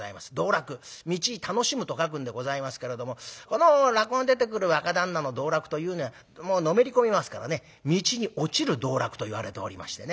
道楽しむと書くんでございますけれどもこの落語に出てくる若旦那の道楽というのはのめり込みますからね道に落ちる道落といわれておりましてね。